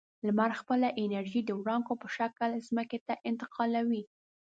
لمر خپله انرژي د وړانګو په شکل ځمکې ته انتقالوي.